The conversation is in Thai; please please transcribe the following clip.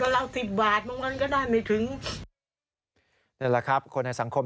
นี่แหละครับคนในสังคม